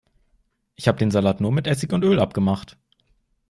Ich hab den Salat nur mit Essig und Öl abgemacht.